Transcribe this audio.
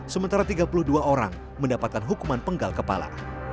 sementara tiga puluh dua orang mendapatkan hukuman penggal kepala